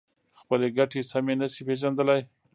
خپلې ګټې سمې نشي پېژندلای.